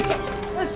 よし！